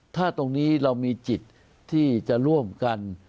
ถ้าตรงนี้เรามีจิตที่จะร่วมกัน